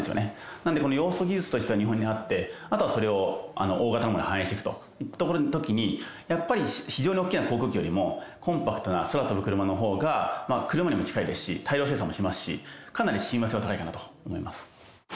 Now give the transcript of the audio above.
なので、この要素技術としては日本にあって、またそれを大型のものに反映していくというときに、やっぱり非常に大きな航空機よりも、コンパクトな空飛ぶクルマのほうが車にも近いですし、大量生産もしますし、かなり親和性が高いかなと思います。